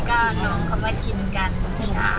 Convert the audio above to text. ก็น้องเขามากินกันใช่ค่ะ